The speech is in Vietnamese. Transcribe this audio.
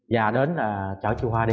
và đến chở chị khoa đi